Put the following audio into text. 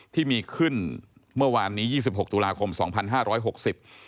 ที่มีขึ้นเมื่อวานนี้ยี่สิบหกตุลาคมสองพันห้าร้อยหกสิบ